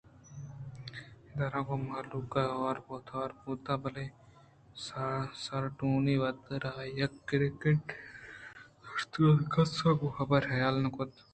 آدُرٛاہ گوں مہلوک ءَ ہورءُ توُر بوت اَنت بلئے سارٹونی وت ءَ را یک کِرّ ءَکنڈے داشتگ اَت ءُکس ءَ گوں حبر ءُ حالے نہ کُت